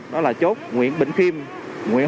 đó là chốt nguyễn bình kim nguyễn hồ